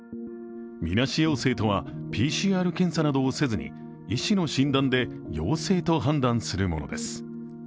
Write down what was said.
みなし陽性とはＰＣＲ検査などをせずに、医師の診断で陽性と判断するものです。